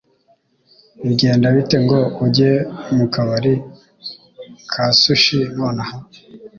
Bigenda bite ngo ujye mu kabari ka sushi nonaha?